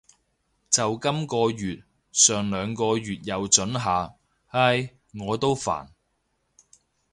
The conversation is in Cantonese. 就今个月，上兩個月又准下。唉，我都煩